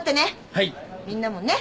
みんなもね。